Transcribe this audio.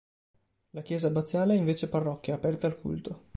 La chiesa abbaziale è invece parrocchia, aperta al culto.